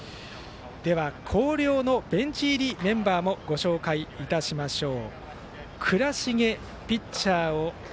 広陵のベンチ入りメンバーもご紹介いたしましょう。